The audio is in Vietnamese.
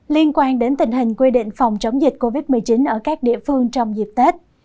liên quan đến tình hình quy định phòng chống dịch covid một mươi chín ở các địa phương trong dịp tết